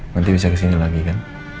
nanti bisa kesini lagi kan